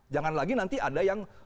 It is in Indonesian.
jangan lagi nanti ada yang